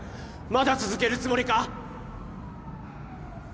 まだ続けるつもりか！？